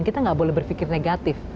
kita nggak boleh berpikir negatif